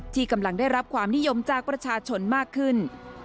ที่กำลังได้รับความนิยมจากประชาชนมากขึ้น